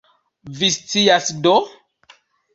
Vi scias do?